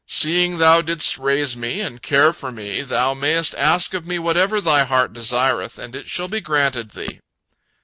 Seeing thou didst raise me and care for me, thou mayest ask of me whatever thy heart desireth, and it shall be granted thee."